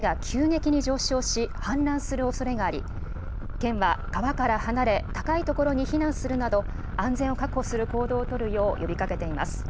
ダムの下流のさじ川では、水位が急激に上昇し、氾濫するおそれがあり、県は川から離れ、高い所に避難するなど、安全を確保する行動を取るよう呼びかけています。